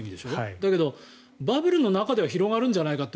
だけどバブルの中では広がるんじゃないかって